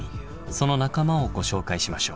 その仲間をご紹介しましょう。